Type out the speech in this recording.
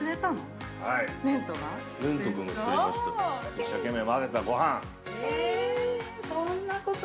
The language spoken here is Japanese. ◆一生懸命混ぜたご飯。